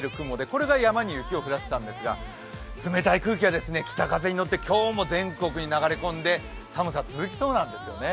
これが山に雪を降らせたんですが冷たい空気が北風に乗って今日も全国に流れ込んで寒さ、続きそうなんですよね。